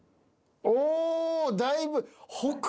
おおだいぶ。